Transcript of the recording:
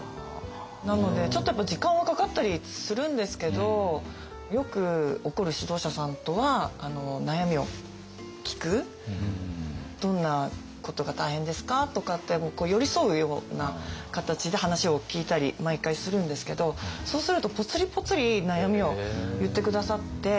なのでちょっとやっぱり時間はかかったりするんですけどよく「どんなことが大変ですか？」とかって寄り添うような形で話を聞いたり毎回するんですけどそうするとポツリポツリ悩みを言って下さって。